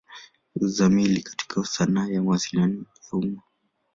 Uzamili katika sanaa ya Mawasiliano ya umma.